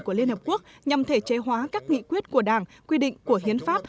của liên hợp quốc nhằm thể chế hóa các nghị quyết của đảng quy định của hiến pháp